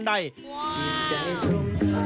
สุดท้ายของพ่อต้องรักมากกว่านี้ครับ